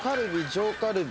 上カルビ。